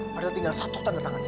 padahal tinggal satu tanda tangan